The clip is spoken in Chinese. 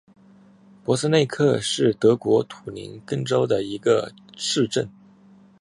珀斯内克是德国图林根州的一个市镇。